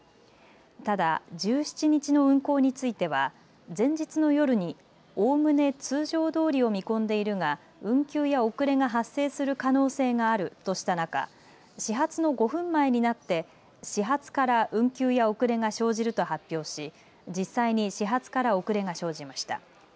ただ、１７日の運行については前日の夜におおむね通常どおりを見込んでいるが運休や遅れが発生する可能性があるとした中始発の５分前になって始発から運休や遅れが生じると発表し実際に始発から遅れが生じました。